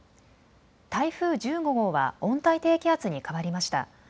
台風１５号は温帯低気圧に変わりました。